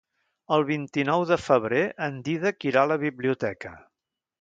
El vint-i-nou de febrer en Dídac irà a la biblioteca.